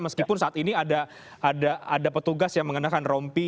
meskipun saat ini ada petugas yang mengenakan rompi